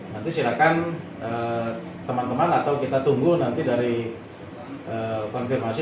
nanti silakan teman teman atau kita tunggu nanti dari konfirmasi